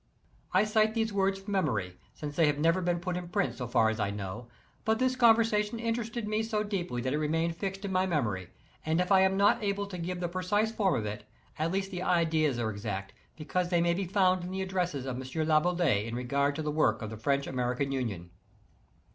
I cite these words from memory, since they have never been put in print so far as I know; but this con versation interested me so deeply that it remained fixed in my memory, and if I am not able to give the precise form of it, at least the ideas are exact, because they may be found in the addresses of M. Laboulaye in regard to the work of the French American Union.